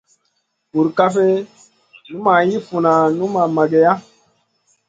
Burkaf numa yi funa numa mageya.